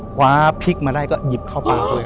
คว้าพริกมาได้ก็หยิบเข้าปากด้วย